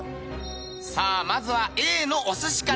さあまずはＡのお寿司から。